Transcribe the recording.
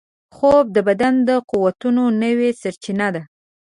خوب د بدن د قوتونو نوې سرچینه ده